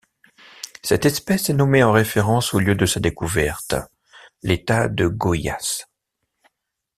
Cette espèce est nommée en référence au lieu de sa découverte, l'État de Goiás.